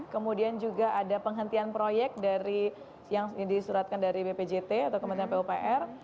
kemudian juga ada penghentian proyek dari yang disuratkan dari bpjt atau kementerian pupr